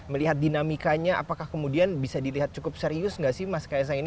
melihat dinamikanya apakah kemudian bisa dilihat cukup serius nggak sih mas kaisang ini